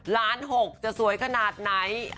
ล้าน๖จะสวยขนาดไหน